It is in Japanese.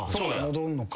戻んのか。